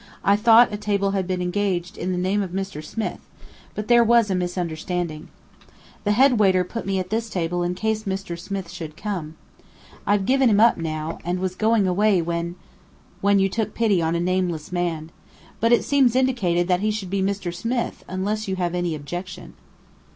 "I thought a table had been engaged in the name of Mr. Smith, but there was a misunderstanding. The head waiter put me at this table in case Mr. Smith should come. I've given him up now, and was going away when " "When you took pity on a nameless man. But it seems indicated that he should be Mr. Smith, unless you have any objection!"